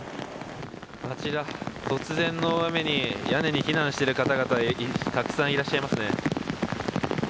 あちら、突然の大雨に屋根に避難している方々がたくさんいらっしゃいますね。